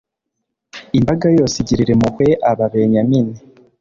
imbaga yose igirira impuhwe ababenyamini